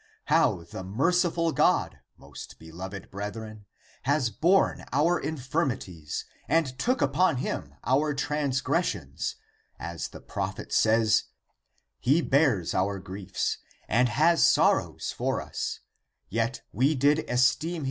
How the merciful God, most beloved brethren, has borne our infirmities and took upon him our transgres sions, as the prophet says :' He bears our griefs ; and has sorrows for us; yet we did esteem him "11 Pet.